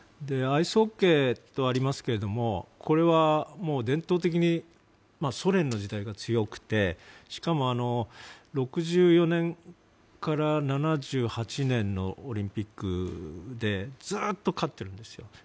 アイスホッケーとありますけどもこれは伝統的にソ連の時代が強くてしかも、６４年から７８年のオリンピックでずっと勝ってるんですよ。